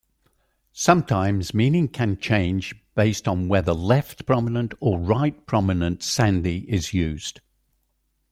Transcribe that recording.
Sometimes meaning can change based on whether left-prominent or right-prominent sandhi is used.